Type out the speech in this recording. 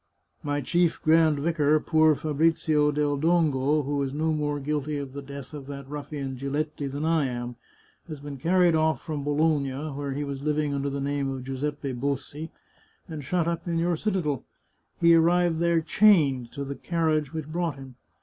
My chief grand vicar, poor Fabrizio del Dongo, who is no more guilty of the death of that ruffian Giletti than I am, has been carried oflf from Bologna, where he was living under the name of Giuseppe Bossi, and shut up in your citadel. He arrived there chained to the carriage which brought him.